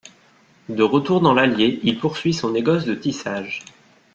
De retour dans l'Allier, il poursuit son négoce de tissage.